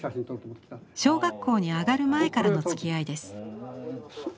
小学校に上がる前からのつきあいです。